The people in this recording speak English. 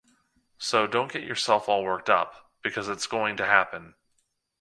So don't get yourself all worked up, because it's going to happen.